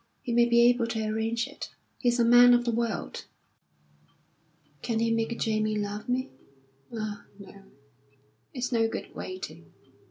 He may be able to arrange it; he's a man of the world." "Can he make Jamie love me? Ah, no, it's no good waiting.